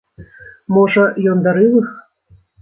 Можа, ён дарыў іх?